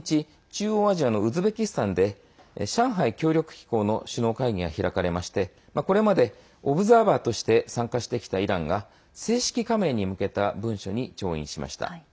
中央アジアのウズベキスタンで上海協力機構の首脳会議が開かれましてこれまでオブザーバーとして参加してきたイランが正式加盟に向けた文書に調印しました。